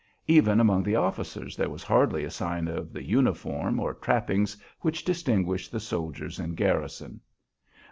Even among the officers there was hardly a sign of the uniform or trappings which distinguish the soldiers in garrison.